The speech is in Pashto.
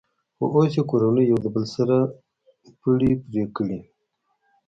خو اوس یې کورنیو یو د بل سره پړی پرې کړی.